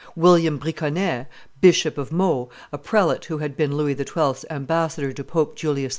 William Briconnet, Bishop of Meaux, a prelate who had been Louis XII.'s ambassador to Pope Julius II.